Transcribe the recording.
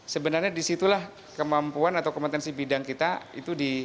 sebenarnya disitulah kemampuan atau kompetensi bidang kita itu di